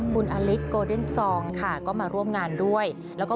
คุณอลิสก็มาร่วมงานด้วย